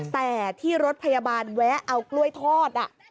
แต่ที่รถพยาบาลแวะเอากล้วยทอด